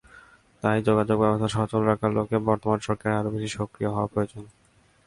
তাই যোগাযোগব্যবস্থা সচল রাখার লক্ষ্যে বর্তমান সরকারের আরও বেশি সক্রিয় হওয়া প্রয়োজন।